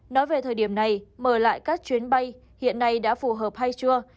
nói về thời điểm này mở lại các chuyến bay hiện nay đã phù hợp hay chưa